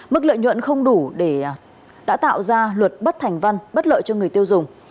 mức lợi nhuận không đủ để đã tạo ra luật bất thành văn bất lợi cho người tiêu dùng